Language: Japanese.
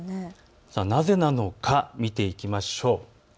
なぜなのか見ていきましょう。